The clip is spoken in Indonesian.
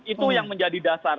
itu yang menjadi dasar